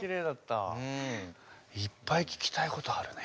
いっぱい聞きたいことあるね。